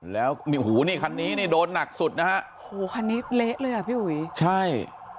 แล้วนี่หูนี่คันนี้นี่โดนหนักสุดนะฮะโอ้โหคันนี้เละเลยอ่ะพี่อุ๋ยใช่